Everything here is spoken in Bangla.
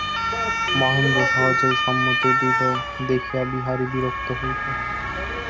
মহেন্দ্র সহজেই সম্মতি দিল দেখিয়া বিহারী বিরক্ত হইল।